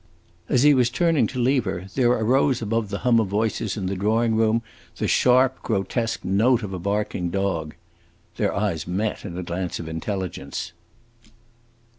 As he was turning to leave her, there rose above the hum of voices in the drawing room the sharp, grotesque note of a barking dog. Their eyes met in a glance of intelligence.